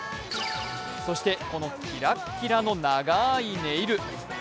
そして、このキラッキラの長いネイル。